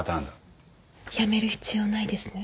辞める必要ないですね。